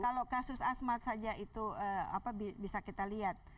kalau kasus asmat saja itu bisa kita lihat